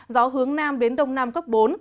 gió hướng nam đến đông nam cấp bốn